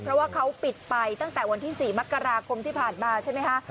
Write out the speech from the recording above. เพราะว่าเขาปิดไปตั้งแต่วันที่๔มกราคมที่ผ่านมาใช่ไหมคะ